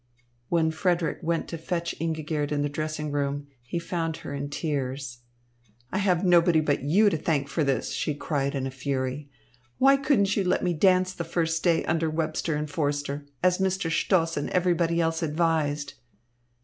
When Frederick went to fetch Ingigerd in the dressing room, he found her in tears. "I have nobody but you to thank for this," she cried in a fury. "Why couldn't you let me dance the first day under Webster and Forster, as Mr. Stoss and everybody else advised?"